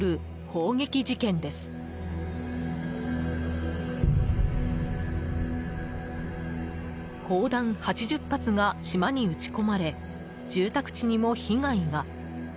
砲弾８０発が島に撃ち込まれ住宅地にも被害が。